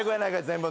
全部。